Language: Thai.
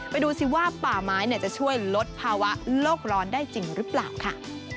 ดูสิว่าป่าไม้จะช่วยลดภาวะโลกร้อนได้จริงหรือเปล่าค่ะ